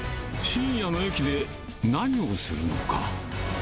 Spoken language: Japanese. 深夜の駅で何をするのか。